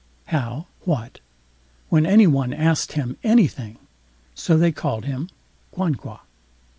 _ (how? what?) when any one asked him anything and so they called him "Quanqua".